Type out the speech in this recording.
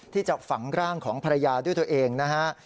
ที่จะฝังร่างของภรรยาด้วยตัวเองนะฮะ